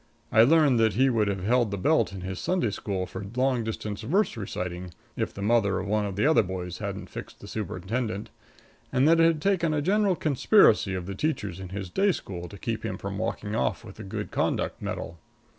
I learned that he would have held the belt in his Sunday school for long distance verse reciting if the mother of one of the other boys hadn't fixed the superintendent, and that it had taken a general conspiracy of the teachers in his day school to keep him from walking off with the good conduct medal.